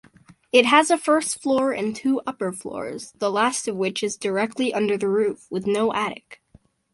It has a first floor and two upper floors, the last of which is directly under the roof, with no attic.